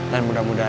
dan mudah mudahan aja